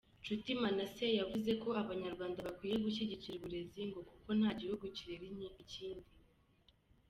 Nshuti Manasseh yavuze ko Abanyarwanda bakwiye gushyigikira uburezi, ngo kuko nta gihugu kirerera ikindi.